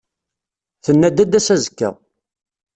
Tenna-d ad d-tas azekka.